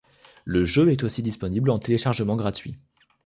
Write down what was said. Le jeu est aussi disponible en téléchargement gratuit.